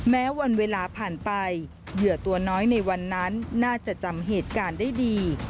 แม้วันเวลาผ่านไปเหยื่อตัวน้อยในวันนั้นน่าจะจำเหตุการณ์ได้ดี